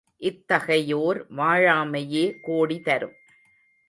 இத்தகையோர் வாழாமையே கோடி தரும்.